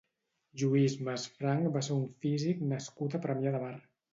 Lluís Mas Franch va ser un físic nascut a Premià de Mar.